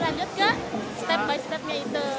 kalau nggak step by step nya itu